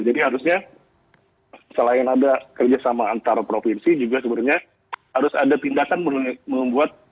jadi harusnya selain ada kerjasama antar provinsi juga sebenarnya harus ada tindakan membuat